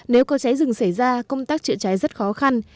nếu có cháy rừng xảy ra công tác chữa cháy rất khó khăn